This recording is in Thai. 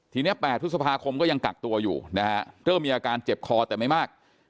ทีนี้๘พฤษภาคมก็ยังกักตัวอยู่นะฮะเริ่มมีอาการเจ็บคอแต่ไม่มาก